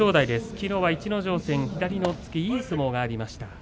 きのうは逸ノ城戦左の押っつけいい相撲がありました。